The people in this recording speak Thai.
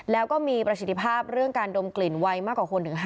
แล้วก็มีประชิดภาพการดมกลิ่นไวมากเป็น๕๐เท่า